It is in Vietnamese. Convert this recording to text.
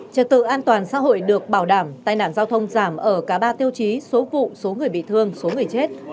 trật tự an toàn xã hội được bảo đảm tai nạn giao thông giảm ở cả ba tiêu chí số vụ số người bị thương số người chết